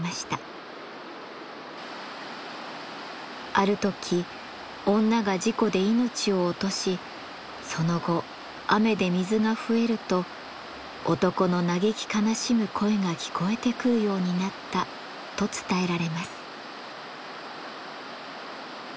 ある時女が事故で命を落としその後雨で水が増えると男の嘆き悲しむ声が聞こえてくるようになったと伝えられます。